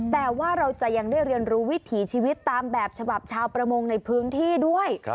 แต่ว่าเราจะยังได้เรียนรู้วิถีชีวิตตามแบบฉบับชาวประมงในพื้นที่ด้วย